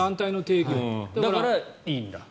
だからいいんだ。